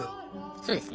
そうですね。